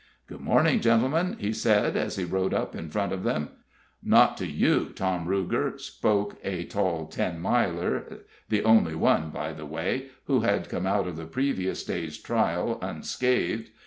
"Good morning, gentlemen," he said, as he rode up in front of them. "Not to you, Tom Ruger," spoke a tall Ten Miler the only one, by the way, who had come out of the previous day's trial unscathed.